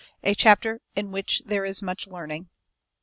_A chapter in which there is much learning.